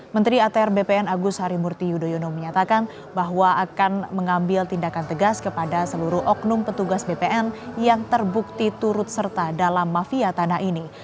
menteri atr bpn agus harimurti yudhoyono menyatakan bahwa akan mengambil tindakan tegas kepada seluruh oknum petugas bpn yang terbukti turut serta dalam mafia tanah ini